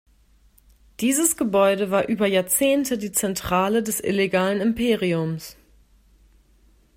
Dieses Gebäude war über Jahrzehnte die Zentrale des illegalen Imperiums.